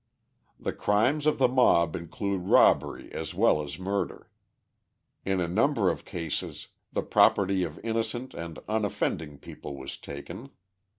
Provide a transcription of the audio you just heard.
The crimes of the mob include robbery as well as murder. In a number of cases the property of innocent and unoffending people was taken.